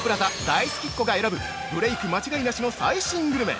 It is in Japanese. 大好きっこが選ぶブレイク間違いなしの最新グルメ。